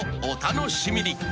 お楽しみに］